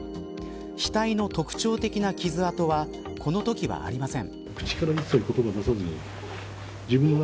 額の特徴的な傷跡はこのときはありません。